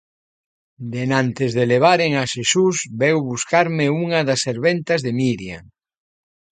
Denantes de levaren a Xesús, veu buscarme unha das serventas de Miriam.